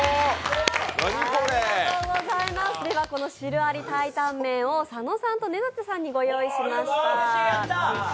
ではこの汁あり鯛担麺を佐野さんと根建さんにご用意しました。